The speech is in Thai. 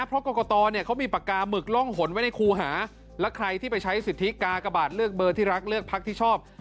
เพราะกรกตเนี่ยเขามีปากกาหมึกร่องหนไว้ในครูหาแล้วใครที่ไปใช้สิทธิกากบาทเลือกเบอร์ที่รักเลือกพักที่ชอบ